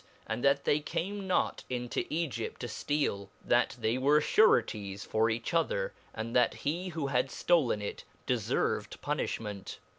and that they came not into £gjpt to fteal, that they were furecies for each other, and thai: he who had ftolne it, deferved puniilimcht..